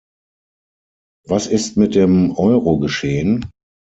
Was ist mit dem Euro geschehen?